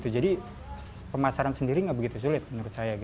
jadi pemasaran sendiri nggak begitu sulit menurut saya